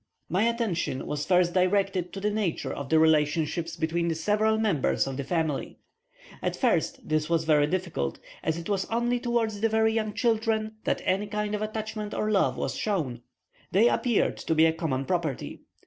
My attention was first directed to the nature of the relationships between the several members of the family. At first this was very difficult, as it was only towards the very young children that any kind of attachment or love was shown. They appeared to be a common property.